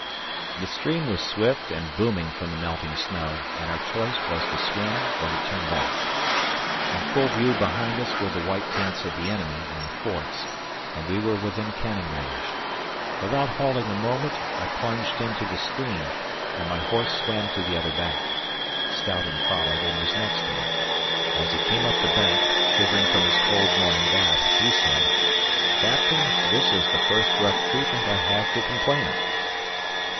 The stream was swift and booming from the melting snow, and our choice was to swim, or to turn back. In full view behind us were the white tents of the enemy and the forts, and we were within cannon range. Without halting a moment, I plunged into the stream, and my horse swam to the other bank. Stoughton followed and was next to me. As he came up the bank, shivering from his cold morning bath, he said, "Captain, this is the first rough treatment I have to complain of."